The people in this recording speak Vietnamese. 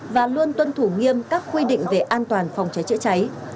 và luôn tuân thủ nghiêm các quy định về an toàn phòng cháy chữa cháy